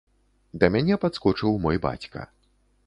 Да мяне падскочыў мой бацька.